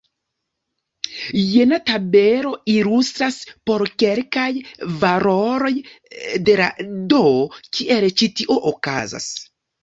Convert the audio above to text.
Jena tabelo ilustras, por kelkaj valoroj de "d", kiel ĉi tio okazas.